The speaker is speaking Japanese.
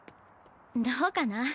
どうかな？